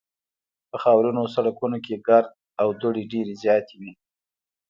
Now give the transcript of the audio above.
په خاورینو سړکونو کې ګرد او دوړې ډېرې زیاتې وې